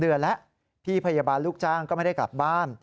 เดือนแล้วพี่พยาบาลลูกจ้างก็ไม่ได้กลับบ้าน